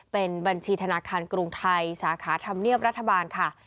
เป็นบัญชีธนาคารกรุงไทยสาขาธรรมเนียบรัฐบาลค่ะ